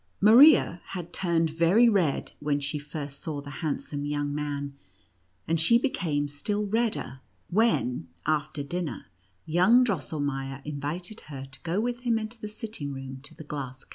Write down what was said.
Maria had turned very red when she first saw the handsome young man ; and she became still redder, when, after dinner, young Drosselmeier invited her to go with him into the sitting room to the glass case.